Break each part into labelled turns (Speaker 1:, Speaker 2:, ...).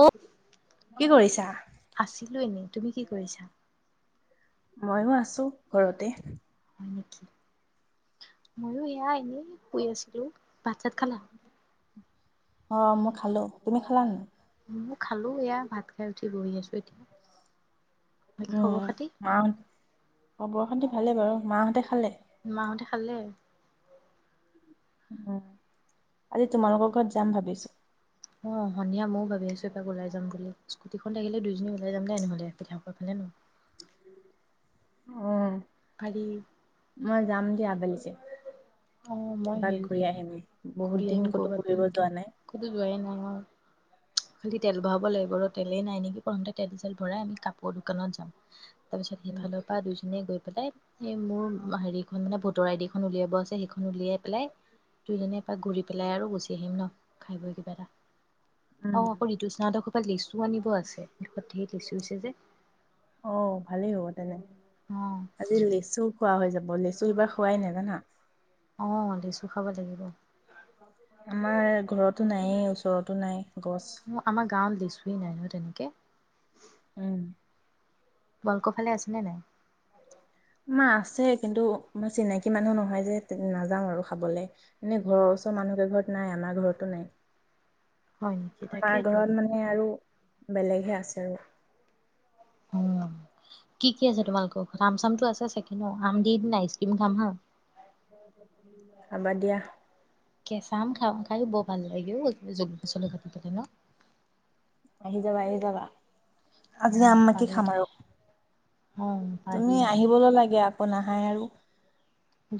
Speaker 1: অ
Speaker 2: কি কৰিছা?
Speaker 1: আছিলো এনেই তুমি কি কৰিছা
Speaker 2: মইয়ো আছো ঘৰতে
Speaker 1: ময়ো এয়া এনে শুই আছিলো ভাত চাত খালা
Speaker 2: অ মই খালো তুমি খালা নাই
Speaker 1: ময়ো খালো এয়া ভাত খাই উঠি বহি আছো এতিয়া বাকী খবৰ
Speaker 2: উম
Speaker 1: খাতি
Speaker 2: মাহতে খবৰ খাতি ভালেই বাৰু মাহতে খালে
Speaker 1: মাহঁতে খালে
Speaker 2: উ আজি তোমালোকৰ ঘৰত যাম ভাবিছো
Speaker 1: অ সন্ধিয়া ময়ো ভাবি আছো এপাক ওলাই যাম বুলি স্কুটিখন থাকিলে দুজনী ওলাই যাম দে নহলে পিথাপুৰ ফালে ন
Speaker 2: অ
Speaker 1: পাৰি
Speaker 2: মই যাম দিয়া আবেলি যে
Speaker 1: অ মই
Speaker 2: এপাক
Speaker 1: হেৰি
Speaker 2: ঘূৰি আহিম
Speaker 1: ঘূৰি
Speaker 2: বহুত দিন
Speaker 1: আহিম
Speaker 2: ক'তো
Speaker 1: ক'ৰবাত
Speaker 2: ঘুৰিব
Speaker 1: ভালকে
Speaker 2: যোৱা নাই
Speaker 1: ক'তো যোৱাই নাই অ খালি তেল ভৰাব লাগিব ৰ তে তেলেই নাই নি প্ৰথম তেল চেল ভৰাই আমি কাপ বৌ দোকানত যাম তাৰপিছত সেইফালৰ পৰা দুইজনীয়ে গৈ পেলাই সে মোৰ হেৰিখন মানে ভোটৰ আইদিখন উলিয়াব আছে সেইখন উলিয়াই পেলাই দুইজনীয়ে এপাক ঘূৰি পেলাই আৰু গুচি আহিম ন খাই বৈ কিবা এটা অ
Speaker 2: উম
Speaker 1: আকৌ ঋতুস্নাহতৰ ঘৰৰ পৰা লেচু আনিব আছে সেত ধেই লেচু আছে যে
Speaker 2: অ ভালেই হ'ব তেনে
Speaker 1: অ
Speaker 2: আজি লেচু খোৱা হৈ যাব লেচু এইবাৰ খোৱাই নাই জানা
Speaker 1: অ লিছো খাব লাগিব
Speaker 2: আমাৰ ঘৰতো নায়েই ওচৰতো নাই গছ।
Speaker 1: আমাৰ গাঁৱত লেছুৱে নাই নহয় তেনেকে কে।
Speaker 2: উম।
Speaker 1: তোমালোকৰ ফালে আছেনে নে নাই?
Speaker 2: মাৰ আছে, কিন্তু মই চিনাকি মানুহ নহয় যে নাযাওঁ আৰু খাবলৈ এনে ঘৰৰ ওচৰ মানুহকে ঘৰত নাই আমাৰ ঘৰতো নাই।
Speaker 1: হয় নেকি
Speaker 2: আমাৰ
Speaker 1: তাকেইতো
Speaker 2: ঘৰত মানে আৰু বেলেগহে আছে আৰু।
Speaker 1: উম। কি-কি আছে তোমালোকৰ খৰত? আম চামটো আছে চাগে ন? আম দিনা আইচ ক্ৰীম খাম হা।
Speaker 2: হব দিয়া।
Speaker 1: কেঁচা আম খাাম খাই বৰ ভাল লাগে অ', জছ কাটি পেললে ন?
Speaker 2: আহি যাবা, আহি যাবা। আজি
Speaker 1: উম,
Speaker 2: আম মাকি
Speaker 1: পাৰি
Speaker 2: খাম
Speaker 1: দে।
Speaker 2: আৰ
Speaker 1: অ', পাৰি।
Speaker 2: তুমি আহিবলৈ লাগে, আকৌ নাহাই আৰু।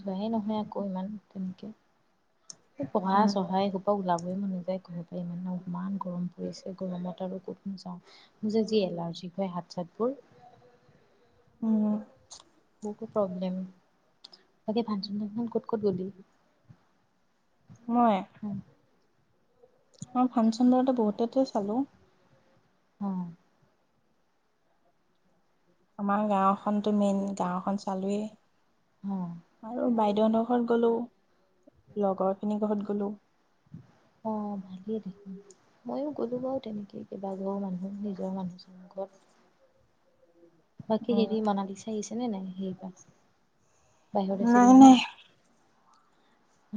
Speaker 1: যোৱাই নহয় আকৌ ইমান তেনেকে।
Speaker 2: উম
Speaker 1: পঢ়া-চহা এইসোপা ওলাবই মন নাযায় ঘৰৰ পৰা ইমান ন ইমান গৰম। কৰিছে গৰমত আৰু ক'ত নো যাওঁ? মোৰ যে যি এলাৰ্জিক হয় হাত চাত ক
Speaker 2: উম।
Speaker 1: [unintelligible] প্ৰব্লেম। বাকি ফাংচন-চানচন ক'ত-ক'ত গ'লি?
Speaker 2: মই।
Speaker 1: অ',
Speaker 2: অ', ফাংচন বাৰতে বহুতে টো চালো।
Speaker 1: অ'।
Speaker 2: আমাৰ গাঁওখনতো মেইন গাওঁখন চালোৱেই।
Speaker 1: অ'।
Speaker 2: আৰু বাইদেউ নোখৰত গ'লো। লগৰ খিনি ঘৰত গলো।
Speaker 1: মইো গ'লো বাৰু তেনেকে বাঘৰৰ মানুহ নিজৰ মানুহজন ঘৰত। বাকী
Speaker 2: উম
Speaker 1: হেৰি মনালীচাই আহিছেনে নাই? সেইবাৰ বাহিৰত
Speaker 2: নাই
Speaker 1: আছিল
Speaker 2: নাই
Speaker 1: নহয়।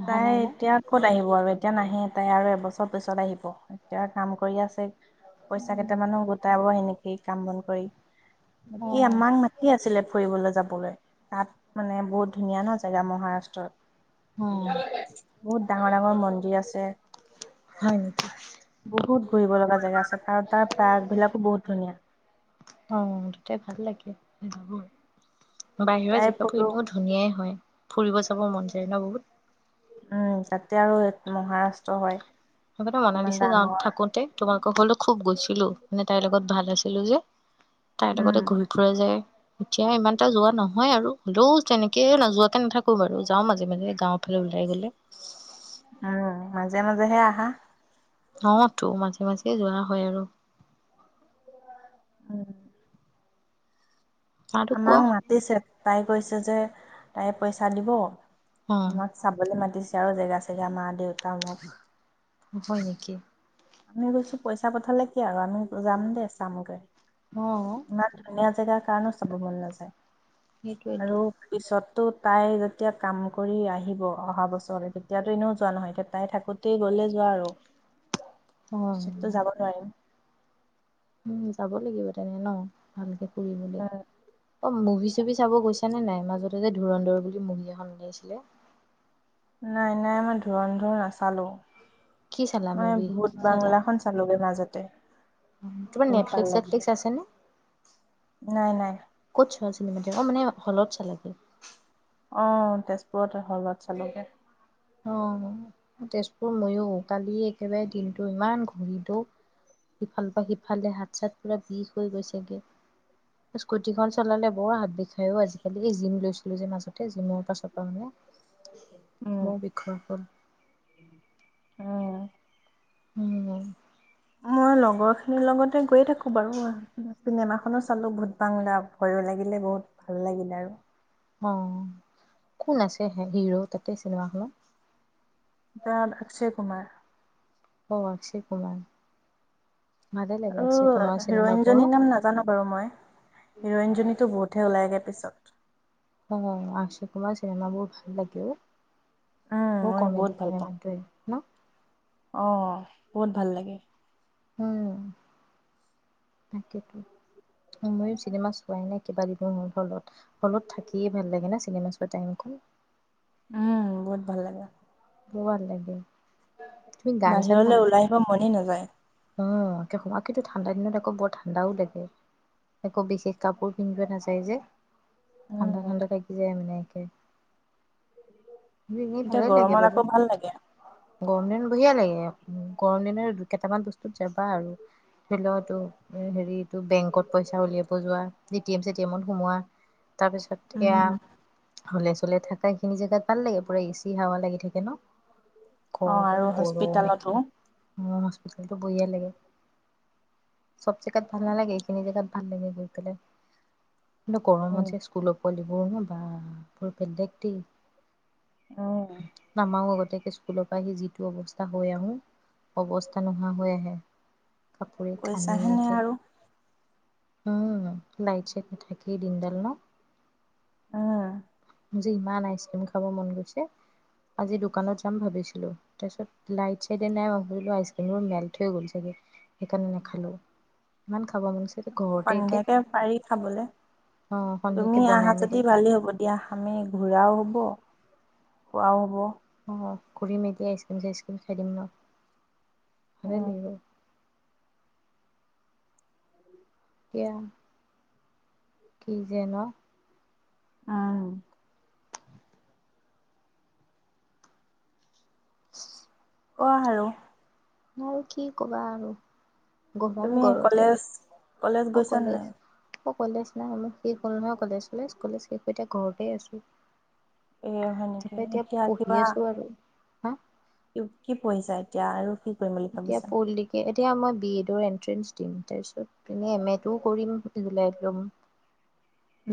Speaker 1: অহা
Speaker 2: তাই
Speaker 1: নাই ন
Speaker 2: এতিয়া ক'ত আহিব আৰু এতিয়া নাহে তাই আৰু বছৰ পিছত আহিব এতিয়া কাম কৰি আছে। পইচা কেইটামানু গোটাব সেনে কি। কাম বন কৰি।
Speaker 1: অ
Speaker 2: বাকী আমাক মতি আছিলে ফুৰিবলৈ যাবলৈ তাত মানে বহুত ধুনীয়া ন জেগা মহাৰাষ্ট্ৰত।
Speaker 1: অ
Speaker 2: বহুত ডাঙৰ ডাঙৰ মন্দিৰ আছে।
Speaker 1: হয় নেকি
Speaker 2: বহুত ঘুৰিব লগা জেগা আছে কাৰ তাৰ পাৰ্ক বিলাকো বহুত ধুনীয়া।
Speaker 1: আহ দুটাই ভাল লাগে। বাহিৰৰ
Speaker 2: তাই ফটো
Speaker 1: জেগাবোৰ এনেও ধুনীয়াই হয়। ফুৰিব চাব মন যায় ন বহুত
Speaker 2: উম তাতে আৰু মহাৰাষ্ট্ৰ হয়।
Speaker 1: [unintelligible]
Speaker 2: কিমান
Speaker 1: মনালিছে যাওঁ
Speaker 2: ডাঙৰ
Speaker 1: থাকোতে তোমালোকৰ ঘলো খুব গৈছিলো মানে তাইৰ লগত ভাল আছিলো যে। তাইৰ
Speaker 2: উম
Speaker 1: লগতে ঘূৰি ফুৰা যায়। এতিয়া ইমান এটা যোৱা নহয় আৰু। হ'লেও তেনেকে নোযোৱাকে নাথাকো বাৰু যাওঁ মাজে মাজে গাওঁত ফালে ওলাই গ'লে
Speaker 2: উম মাজে মাজে হে আহা।
Speaker 1: অ', তটো মাজে মাজে যোৱা হয় আৰু
Speaker 2: উম।
Speaker 1: আৰু
Speaker 2: আমাং
Speaker 1: কোৱা
Speaker 2: মতিছে তাই কৈছে যে তাই পইচা দিব
Speaker 1: অ
Speaker 2: তোমাক চাবলৈ মাতিছে আৰু জেগা চেগা মা দেউত টামক
Speaker 1: হয় নেকি।
Speaker 2: আমি গৈছো পইচা পঠালে কি আৰু আমি যাম দেই চামগৈ।
Speaker 1: অ
Speaker 2: ইমান ধুনীয়া জেগা কাৰনো চাব মন নাযায়।
Speaker 1: সেইটোৱেইটো
Speaker 2: আৰু পিছত তু তাই যেতিয়া কাম কৰি আহিব অহা বছৰলৈ তেতিয়াতো এনেও যোৱা নহয় এতিয়া তাই থাকোতেই গ'লে যোৱা আৰু।
Speaker 1: অ
Speaker 2: পিছততো যাব নোৱাৰিম।
Speaker 1: উম যাব লাগিব তেনে ন ভালকে ফুৰিবলে
Speaker 2: উম
Speaker 1: অ', মুভি চুভি চাব গৈছ নে নাই মাজতে যে ধুৰন্ধৰ বুলি মুভি এখন উলিয়াইছিলে।
Speaker 2: নাই নাই আমই ধুৰন্ধৰ নাচালোঁ
Speaker 1: কি চালা মুভি কি কি চালা
Speaker 2: চালোগে মাজতে
Speaker 1: তোমাৰ
Speaker 2: বহুত
Speaker 1: নেট
Speaker 2: ভাল
Speaker 1: পেক চেত
Speaker 2: লাগিলে
Speaker 1: পেক আছে নে
Speaker 2: নাই নাই
Speaker 1: ক'ত চোৱা চিনমাতে অ মানে হলত চালাগে
Speaker 2: অঁ তেজপুৰত আৰু হলত চালোগে
Speaker 1: অ তেজপুৰ মইয়ো কালি একেবাৰে দিনটো ইমান ঘূৰি দও ইফালৰ পৰা সিফালে হাত চাত পুৰা বিষ হৈ গৈছেগে স্কুটিখন চলালে বৰ হাত বিষায় অ' আজিকালি এই জিম লৈছিলো যে মাজতে জিমৰ পাছৰ পৰা মানে। মও
Speaker 2: উম,
Speaker 1: বিখৰ কৰ
Speaker 2: অঁ।
Speaker 1: উম।
Speaker 2: মই লগৰ খিনিৰ লগত গৈয়ে থাকো বাৰু, চিনেমাখনো চালো বহুত [unintelligible] ভয়ো লাগিলে বহুত ভাল লাগিল আৰু।
Speaker 1: অঁ। কোন আছে হে হিৰো তাতেই চিনেমাখনত
Speaker 2: [unintelligible] অক্ষয় কুমাৰ।
Speaker 1: অঁ অক্ষয় কুমাৰ। ভালে লাগে অক্ষয়
Speaker 2: আৰু
Speaker 1: কুমাৰ
Speaker 2: হিৰইন
Speaker 1: চিনেমাবোৰো।
Speaker 2: জনীৰ নাম নাজানো বাৰু মই, হিৰইনজনীতো বহুতহে ওলাইগে পিছত।
Speaker 1: অঁ আক্ষয় কুমাৰ চিনেমাবোৰ ভাল লাগে অঁ।
Speaker 2: উম,
Speaker 1: বৰ
Speaker 2: মই বহুত
Speaker 1: কমেদি
Speaker 2: ভাল
Speaker 1: কৰে
Speaker 2: পাওঁ
Speaker 1: মানুহটোৱে ন।
Speaker 2: অ', বহুত ভাল লাগে।
Speaker 1: উম, তাকেইতো ময়ো চিনেমা চোৱাই নাই কেইবাদিনো মোৰ হলত, হলত থাকিয়ে ভাল লাগে ন চিনেমা চোৱা টাইমকন।
Speaker 2: উম, বহুত ভাল লাগে।
Speaker 1: [unintelligible] ভাল লাগে। তুমি গান
Speaker 2: বাহিৰলৈ ওলাই আহিব মনেই নাযায়।
Speaker 1: অঁ একে সোমা কিন্তু ঠাণ্ডা দিনত আকৌ বৰ ঠাণ্ডাও লাগে, একো বিশেষ কাপোৰ পিন্ধি যোৱা নাযায় যে। ঠাণ্ডা
Speaker 2: উম,
Speaker 1: ঠাণ্ডা লাগি যায় মানে। [unintelligible] [unintelligible]
Speaker 2: এতিয়া
Speaker 1: ভালে লাগে
Speaker 2: গৰমত
Speaker 1: বাৰু,
Speaker 2: আকৌ ভাল লাগে
Speaker 1: গৰম দিন বঢ়িয়া লাগে, গৰম দিনৰ দু কেইটামান বস্তু যাবা আৰু। খেলটো এ হেৰিত বেংকত পইচা উলিয়াব যোৱা, এ টি এম চে টি এমত সোমোৱা। তাৰপিছত এয়া
Speaker 2: উম,
Speaker 1: হ'লে চলি থাকা এইখিনি জেগাত ভাল লাগে পুৰা এচি হাৱা লাগি থাকে ন।
Speaker 2: অ', আৰু হস্পিতালতো
Speaker 1: [unintelligible] টো বঢ়িয়া লাগে। চব জেগাত ভাল নালাগে, এইখিনি জেগাত আল নি কতলে ইমান
Speaker 2: উম।
Speaker 1: গৰমত যে স্কুলত। বাকলিবোৰ বা বৰ বেলেগ দেই। নমাও আগ তাকে স্কুলৰ পৰা আহি যিটো অৱস্থা হৈ আহো। অৱস্থা নোহোৱা হৈ আহে কাপোৰে
Speaker 2: কৈছাহেনে
Speaker 1: কানিয়েকে।
Speaker 2: আৰু
Speaker 1: উম। লাইট চেট নাথাকি দিনডাল ন। মোৰ যে ইমান আইচক্ৰীম খাব মন গৈছে। আজি দোকানত যাম ভাবিছিলো। তাৰপিছত লাইট চাইতে নাই, মই ভাবিলো আইছক্ৰিম ঠৈ গ'ল ছাগে। মন গৈছে ঘৰতে একে
Speaker 2: সন্ধিয়াকে পাৰি খাবলৈ,
Speaker 1: অ সন্ধিয়াকে
Speaker 2: তুমি
Speaker 1: বনাই
Speaker 2: আহা
Speaker 1: মেলি
Speaker 2: যদি ভালেই হ'ব দিয়া আহা। আমি ঘূৰাও হ'ব খোৱাও হ'ব।
Speaker 1: অঁ ঘূৰিম এতিয়া, আইচক্ৰীম চাইচক্ৰীম খাই দিম ৰ। ভালে লাগিব এতিয়া কি যে ন।
Speaker 2: অহ',
Speaker 1: [inaudible]
Speaker 2: কোৱা আৰু।
Speaker 1: আৰু কি কবা আৰু। গৰম
Speaker 2: তুমি
Speaker 1: ঘৰতে
Speaker 2: কলেজ-কলেজ গৈছা নাই।
Speaker 1: অহ', কলেজ নাই আমি। শেষ হ'ল নহয় কলেজ চলে্চ, কলেচ [unintelligible] এতিয়া ঘৰতে আছো।
Speaker 2: এই হয় নেকি
Speaker 1: তাৰপৰা
Speaker 2: এতিয়া
Speaker 1: পঢ়ি
Speaker 2: কিবা?
Speaker 1: আছো আৰু হা
Speaker 2: কি পঢ়িছা এতিয়া আৰু কি কৰিম বুলি
Speaker 1: এতিয়া
Speaker 2: ভাবিছা
Speaker 1: পুলটিকেল এতিয়া মই বি এডৰ এন্ট্ৰেন্ঞ্চ দিম, তাৰপিছত ইনে এম এটোও কৰিম [unintelligible] লাই ল'ম।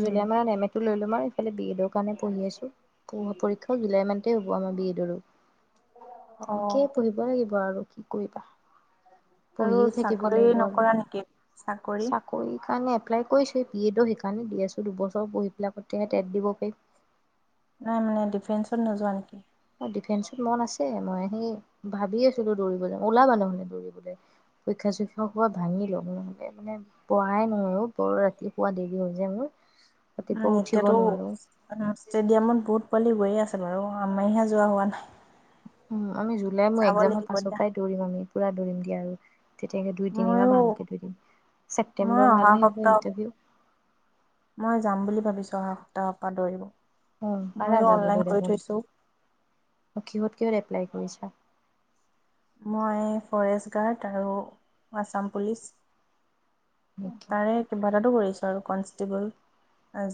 Speaker 2: উম,
Speaker 1: [unintelligible] কাৰণে পঢ়ি আছো, প পৰীক্ষাও জুলাই মানতে হ'ব [unintelligible]
Speaker 2: অ
Speaker 1: তেনেকেই পঢ়িবই লাগিব আৰু। কি কৰিবা।
Speaker 2: আৰু
Speaker 1: পঢ়িয়ে থাকিব
Speaker 2: চাকৰি
Speaker 1: লাগিব আৰু
Speaker 2: নকৰা নেকি
Speaker 1: চাকৰি কাৰণে এপ্লাই কৰিছোঁ বি এডো শেষ মানে [unintelligible] আছোঁ, দুবছৰ পঢ়ি পেলাই তেতিয়াহে টেট দিব পাৰিম
Speaker 2: নাই, মানে ডিফেন্সত নোযো ৱা নেকি?
Speaker 1: অ ডিফেন্সত মন আছে। মই সেই ভাবিয়েই আছিলোঁ দৌৰিবলৈ, ওলাবা নহ'লে দৌৰিবলৈ! পৰীক্ষা চৰীক্ষা খোপা ভাঙি লওঁক নহ'লে মানে পঢ়াই নহয় অ', বৰ ৰাতি শুৱা দেৰি হৈ যে মোৰ। ৰাতিপুৱা
Speaker 2: উম,
Speaker 1: উঠিব
Speaker 2: এতিয়াতো
Speaker 1: নোৱাৰোঁ
Speaker 2: ষ্টেডিয়ামত বহুত পোৱালি গয়েই আছে বাৰু। আমাইহে যোৱা হোৱা নাই।
Speaker 1: উম, আমি জুলাই মোৰ
Speaker 2: চাব
Speaker 1: একজামৰ
Speaker 2: লাগিব
Speaker 1: পাছৰ
Speaker 2: দিয়া।
Speaker 1: পৰাই দৌৰিম আমি, পুৰা দৌৰিমগে আৰু। তেতিয়াকে দুই-তিনিমাহ
Speaker 2: ময়ো
Speaker 1: ভালকে দৌৰি দিম।
Speaker 2: মই
Speaker 1: ছেপ্তেম্বৰ
Speaker 2: অহা
Speaker 1: মানহে হ'ব
Speaker 2: সপ্তাহ
Speaker 1: ইণ্টাৰভিউ।
Speaker 2: মই যাম বুলি ভাবিছোঁ, অহা সপ্তাহৰ পৰা দৌৰিব।
Speaker 1: আহ প
Speaker 2: ময়ো অনলাইন
Speaker 1: যাবলৈ
Speaker 2: কৰি
Speaker 1: দেখোন
Speaker 2: থৈছো।
Speaker 1: কিিহত কিহত এপ্লাই কৰিছা?
Speaker 2: মই ফৰেষ্ট গাৰ্ড আৰু আছাম পুলিচ।
Speaker 1: নেকি
Speaker 2: তাৰে কিবা এটাতো কৰিছো আৰু, কনষ্টেবল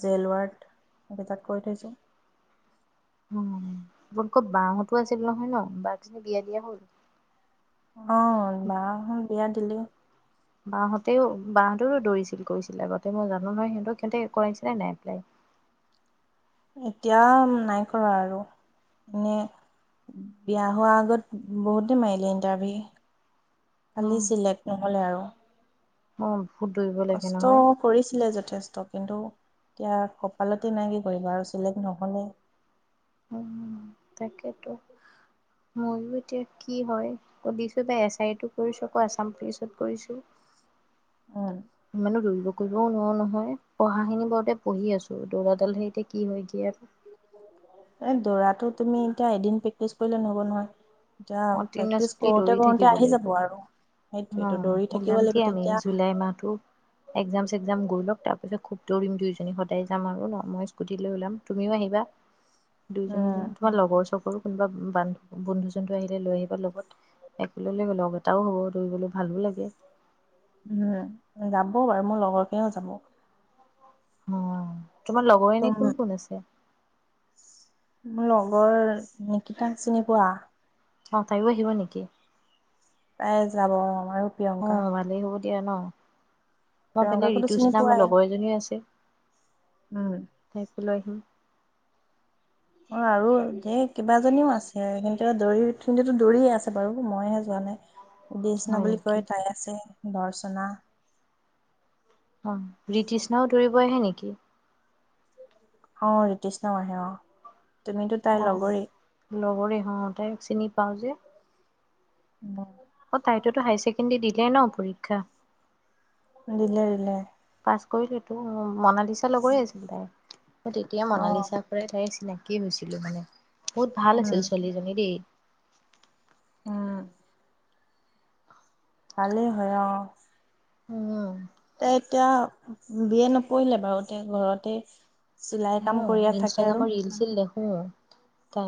Speaker 2: জেলৱাৰ্ড সেকেইটাক কৈ থৈছোঁ।
Speaker 1: উম মক [unintelligible] দিয়া হ'ল
Speaker 2: অ বাক বিয়া দিলে।
Speaker 1: বাহহঁতেও বাহঁতেৰো দৌৰিছিল কৰিছিলে আগতে মই জানো নহয় সিহঁতক সিহঁতে কৰাইছিলে নাই এপ্লাই
Speaker 2: এনেে বিয়া হোৱা আগত বহুতে মাৰিলে ইণ্টাৰভিউ। খালি চিলেক্ট নহলে আৰু,
Speaker 1: অঁ
Speaker 2: কষ্ট কৰিছিলে যথেষ্ট, কিন্তু এতিয়া কপালতে নাই কি কৰিবা আৰু চিলেক্ট নহ'লে
Speaker 1: আ তাকেইতো ময়ো এতিয়া কি হয় আ দিছো বাই এছ আইটো কৰিছোঁ আকৌ আছাম পুলিচত কৰিছো
Speaker 2: উম
Speaker 1: ইমানো দৌৰিব কৰিবও নোৱাৰো নহয় পঢ়াখিনি বৰতে পঢ়ি আছো দৌৰাডাল সে এতিয়া কি হয় গিয়াত
Speaker 2: দৌৰাতো তুমি এতিয়া এদিন প্ৰেক্টিছ কৰিলে নহব নহয়। এতিয়া প্ৰেক্টিচ
Speaker 1: কেণ্টিনিওৱাছলি
Speaker 2: কৰোতে
Speaker 1: দৌৰি
Speaker 2: কৰোতে
Speaker 1: থাকিব
Speaker 2: আহি
Speaker 1: লাগিব,
Speaker 2: যাব আৰু সেইটোৱেতো
Speaker 1: অঁ
Speaker 2: দৌৰি থাকিব
Speaker 1: ওলাম
Speaker 2: লাগিব
Speaker 1: দিয়া আমি
Speaker 2: তেতিয়া
Speaker 1: জুলাই মাহটো একজাম চকজাম গৈ লওক তাৰ খুব দৌৰিম দুইজনী যাম আৰু ন মই স্কুটি লৈ ওলাম তুমিও আহিবা। দুয়জনী
Speaker 2: উম
Speaker 1: জাম তোমাৰ লগৰ চগৰো কোনোবা বান বন্ধুজন লৈ আহিলে লৈ আহিব লগত একেলে গ'ল লগ এটাও হ'ব দৌৰিবলৈ ভালো লাগে [unintelligible]
Speaker 2: উম যাবও বাৰু মোৰ লগৰকেইও যাব [unintelligible]
Speaker 1: উ তোমাৰ লগৰ
Speaker 2: ত
Speaker 1: এনী কোন কোন আছে
Speaker 2: মোৰ লগৰ নিকটাক চিনি পোৱা
Speaker 1: অ তাইো আহিব নেকি
Speaker 2: যাব আৰু
Speaker 1: অ
Speaker 2: প্ৰিয়ংকা
Speaker 1: ভালেই হ'ব এতিয়া ন মই ফালে
Speaker 2: প্ৰিয়ংকাকোতো
Speaker 1: ঋতুস
Speaker 2: চিনি
Speaker 1: না মোৰ
Speaker 2: পোৱাই
Speaker 1: লগৰ এজনী আছে
Speaker 2: উম
Speaker 1: তাই লৈ আহিম
Speaker 2: অ আৰু দেই কিবাজীও আছে কিন্তু দৌৰি কিন্তু দৌৰি আছে বাৰু মই হে যোৱা নাই ্ [unintelligible] চনা
Speaker 1: হয়
Speaker 2: বুলি
Speaker 1: নেকি
Speaker 2: কয় তাই আছে ধৰ্শনা
Speaker 1: অ ব্ৰিটিষ্নাও দৌৰিব আহে নেকি
Speaker 2: অ ীতিশ নাম আহে অ তুমিতো তাইৰ
Speaker 1: অ
Speaker 2: লগৰেই
Speaker 1: লগৰে হ তাই চিনি পওঁজী অ তাইতো হায়াৰ ছেকেণ্ডেৰী দিলে ন পৰীক্ষা
Speaker 2: উ দিল দিলে
Speaker 1: কলটো মনালিচা লগৰ আছিল তাই তেতিয়া
Speaker 2: অ
Speaker 1: মনালিচা কৰে তাই চিনাকি কি হৈছিলো মানে বহুত ভাল আছিল
Speaker 2: উম
Speaker 1: ছোৱালীজনী দেই
Speaker 2: ভালে হয়
Speaker 1: উম
Speaker 2: তাই এতিয়া বি এ নপঢ়িলে বাৰু এতিয়া ঘৰতে চিলাই কাম
Speaker 1: অ
Speaker 2: কৰিয়ে থাকে আৰু
Speaker 1: ইনষ্টাগ্ৰামৰ ৰিল-চিল দেখোঁ। ত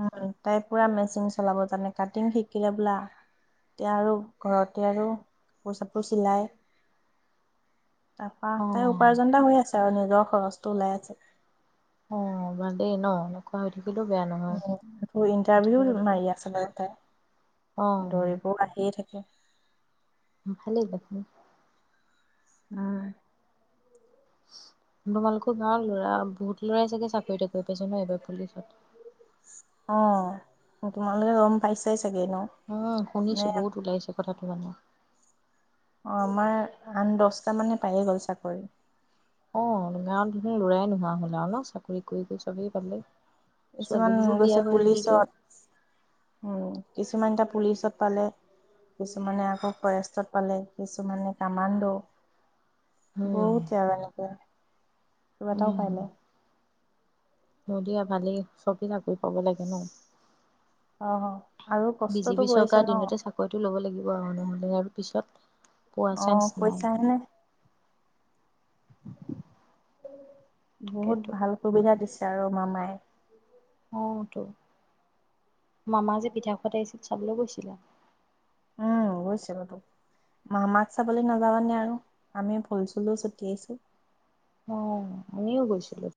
Speaker 2: উ তাই পুৰা মেচিন চলাব জানে কাটিং শিকিলে বোলা এয়া আৰু ঘৰতে আৰু কাপোৰ চাপোৰ চিলায় তাৰপা,
Speaker 1: অ
Speaker 2: তাই উপাৰ্জন এটা হৈ আছে আৰু নিজৰ খৰচটো ওলাই আছে।
Speaker 1: অ বাদেই ন। এনেকুৱা হৈ থাকি
Speaker 2: উম। আকৌ ইণ্টাৰভিউ
Speaker 1: লাগে
Speaker 2: মাৰি আছিলে তাই।
Speaker 1: অ
Speaker 2: দৌৰিব‌ও আহিয়েই থাকে। কে।
Speaker 1: ভালেই গল মোৰ।
Speaker 2: উম।
Speaker 1: [inaudible] তোমালোকৰ গাঁৱত ল'ৰা, বহুত লৰাই চাগে চাকৰি-টাকৰি পাইছে ন এইবাৰ
Speaker 2: অ
Speaker 1: পুলিচত।
Speaker 2: তোমালোকে গম পাইছাই চাগে ন
Speaker 1: উম
Speaker 2: নে
Speaker 1: শুনিছোঁ। বহুত ওলাইছে কথাটো। উম।
Speaker 2: অ আমাৰ আন দহটা মানে পায়েই গ'ল ছা চাকৰি।
Speaker 1: অ, গাঁৱত দেখোন লৰাই নোহোৱা হল আৰু ন। চাকৰি কৰি কৰি চবেই পালেই।
Speaker 2: কিছুমান গৈছে পুলিচত। উম। কিছুমান এতিয়া পুলিচত পালে। কিছুমানে আকৌ ফৰেষ্টত পালে। কিছুমানে কামাণ্ডো।
Speaker 1: উম
Speaker 2: বহুত জ্বালা লাগে। কেইবাটাও পালে।
Speaker 1: শদিয়া ভালেই। চবেই চাকৰি পাব লাগে ন।
Speaker 2: অ আৰু কষ্টটো
Speaker 1: বিজেপি
Speaker 2: কৰিছে
Speaker 1: চৰকাৰ
Speaker 2: ন
Speaker 1: দিনতে চাকৰিটো ল'ব লাগিব আৰু। নহলে আৰু পিছত পোৱা চান্স
Speaker 2: অহ,
Speaker 1: নাই
Speaker 2: কৈছা হেনে
Speaker 1: [inaudible]
Speaker 2: বহুত
Speaker 1: তাকেতো
Speaker 2: ভাল সুবিধা দিছে আৰু। মামাই।
Speaker 1: অ টো। মামা যে পিঠাখোৱাত আহিছিল, চাবলৈ গৈছিলা?
Speaker 2: উম গৈছে মামাক চাবলৈ নাযাবানে আৰু। আমি ফুল-চুলো ছটিয়াইছোঁ।
Speaker 1: অ। আমিও গৈছিলো।